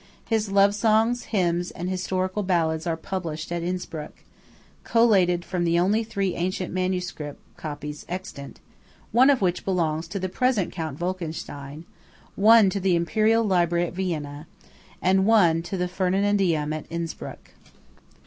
His love songs, hymns, and historical ballads are published at Innspruck, collated from the only three ancient MS. copies extant, one of which belongs to the present Count Wolkenstein, one to the Imperial Library at Vienna, and one to the Ferdinandeum at Innspruck.